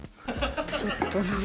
ちょっとなんか。